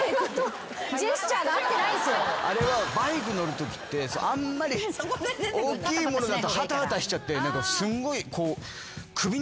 あれはバイク乗るときってあんまり大きいものだとハタハタしちゃってすんごい。